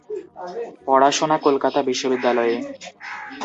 পড়াশোনা কলকাতা বিশ্ববিদ্যালয়ে।